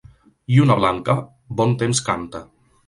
Lluna blanca bon temps canta.